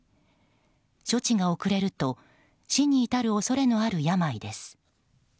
処置が遅れると死に至る恐れのある病です。